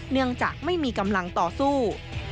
เนื่องจากไม่มีกำลังต่อสู้